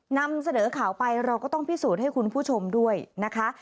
นำเสนอข่าวไปเราก็ต้องพิสูจน์ให้คุณผู้ชมด้วยนะคะ